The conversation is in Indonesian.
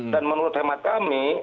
dan menurut hemat kami